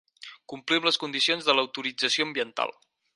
Complir amb les condicions de l'autorització ambiental.